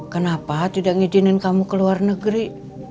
kenapa tidak mengizinin kamu ke luar negeri